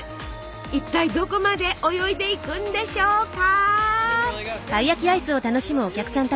一体どこまで泳いでいくんでしょうか？